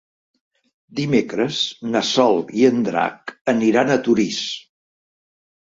Dimecres na Sol i en Drac aniran a Torís.